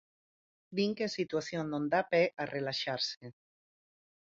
Din que a situación non dá pé a relaxarse.